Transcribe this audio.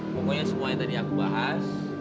pokoknya semuanya tadi aku bahas